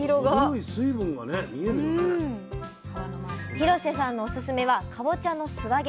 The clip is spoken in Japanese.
廣瀬さんのオススメはかぼちゃの素揚げ。